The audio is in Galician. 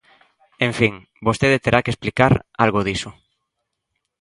En fin, vostede terá que explicar algo diso.